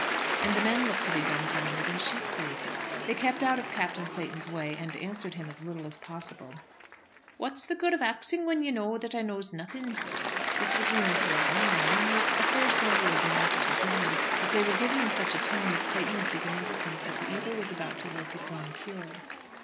And the men looked to be dumbfoundered and sheepfaced. They kept out of Captain Clayton's way, and answered him as little as possible. "What's the good of axing when ye knows that I knows nothing?" This was the answer of one man, and was a fair sample of the answers of many; but they were given in such a tone that Clayton was beginning to think that the evil was about to work its own cure.